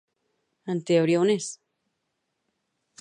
En teoria on és?